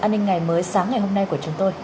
an ninh ngày mới sáng ngày hôm nay của chúng tôi